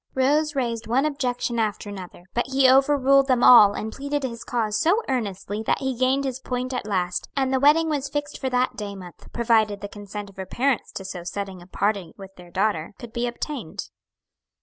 Rose raised one objection after another, but he overruled them all and pleaded his cause so earnestly that he gained his point at last, and the wedding was fixed for that day month, provided the consent of her parents, to so sudden a parting with their daughter, could be obtained.